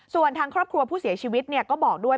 ส่วนทางครอบครัวผู้เสียชีวิตก็บอกด้วย